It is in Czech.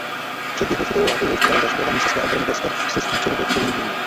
Před druhou světovou válkou zajišťovala zásobování Saska a Braniborska slezským černým uhlím.